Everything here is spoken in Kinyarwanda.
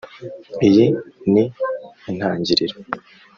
Iyi ni intangiriro